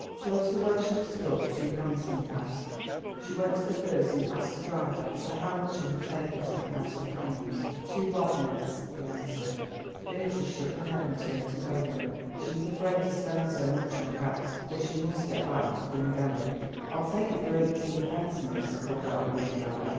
Close to where she was stood two hansom cabs. She went to the first and asked the driver for how much he would take her to the House of Commons. "Two bob, miss," he answered. Beatrice shook her head, and turned to go again. She was afraid to spend so much on cabs, for she must get back to Bryngelly. "I'll take yer for eighteenpence, miss," called out the other driver.